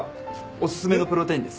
おすすめのプロテインです。